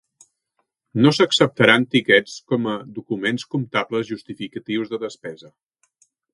No s'acceptaran tiquets com a documents comptables justificatius de despesa.